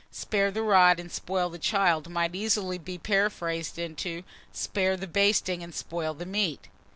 "Spare the rod, and spoil the child," might easily be paraphrased into "Spare the basting, and spoil the meat."